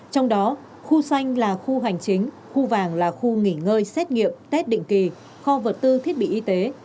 trong đó khu xanh là khu hành chính khu vàng là khu nghỉ ngơi xét nghiệm tết định kỳ kho vật tư thiết bị y tế